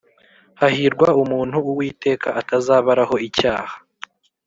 Hahirwa umuntu Uwiteka atazabaraho icyaha